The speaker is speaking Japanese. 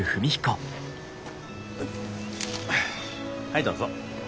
はいどうぞ。